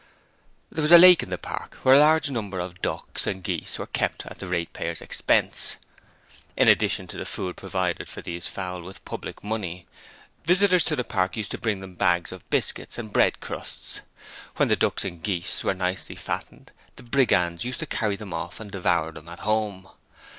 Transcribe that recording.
There was a lake in the park where large numbers of ducks and geese were kept at the ratepayers' expense. In addition to the food provided for these fowl with public money, visitors to the park used to bring them bags of biscuits and bread crusts. When the ducks and geese were nicely fattened the Brigands used to carry them off and devour them at home.